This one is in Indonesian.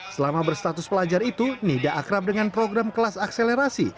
selama berstatus pelajar itu nida akrab dengan program kelas akselerasi